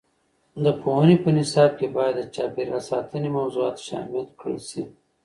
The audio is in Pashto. د پوهنې په نصاب کې باید د چاپیریال ساتنې موضوعات شامل کړل شي.